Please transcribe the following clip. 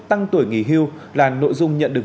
tăng tuổi nghỉ hưu là nội dung nhận được